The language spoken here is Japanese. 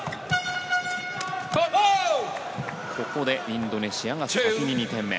ここでインドネシアが先に２点目。